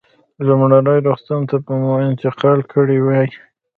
لومړني روغتون ته به مو انتقال کړی وای.